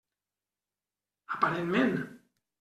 Aparentment.